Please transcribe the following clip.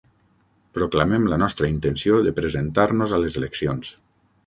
Proclamem la nostra intenció de presentar-nos a les eleccions.